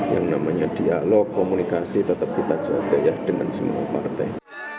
yang namanya dialog komunikasi tetap kita jaga ya dengan semua partai